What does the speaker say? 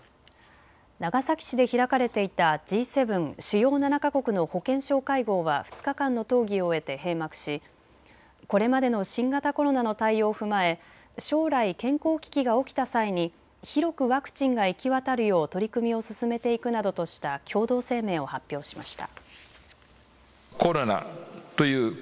長崎市で開かれていたＧ７・主要７か国の保健相会合は２日間の討議を終えて閉幕しこれまでの新型コロナの対応を踏まえ将来、健康危機が起きた際に広くワクチンが行き渡るよう取り組みを進めていくなどとした共同声明を発表しました。